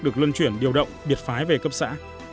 được luân chuyển điều động biệt phái về cấp xã